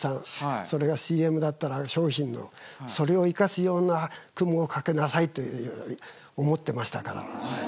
それがＣＭだったら商品のそれを生かすような雲を描きなさいというように思ってましたから。